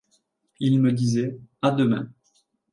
Il me disait : "A demain !"